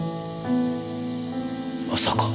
まさか。